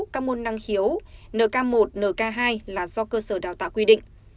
các môn năng khiếu nk một nk hai là do cơ sở đào tạo quy định